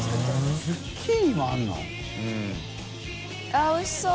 あぁおいしそう。